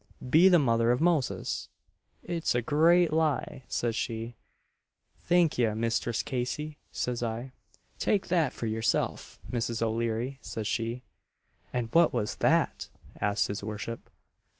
'Be the mother of Moses! it's a graat lie!' says she. 'Thank ye, Misthress Casey,' says I. 'Take that for yerself, Mrs. O'Leary,' says she" "And what was that?" asked his worship.